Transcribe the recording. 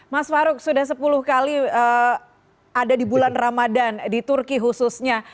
mas farouk sudah sepuluh kali ada di bulan ramadan di turki khususnya